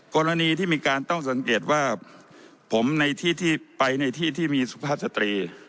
กรณีที่มีการต้องสังเกตว่าผมในที่ที่ไปในที่ที่มีสุภาพสตรี